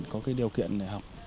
có điều kiện để học